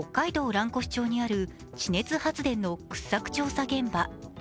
蘭越町にある地熱発電の掘削調査現場。